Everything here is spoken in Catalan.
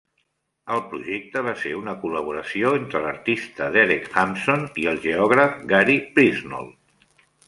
El projecte va ser una col·laboració entre l'artista Derek Hampson i el geògraf Gary Priestnall.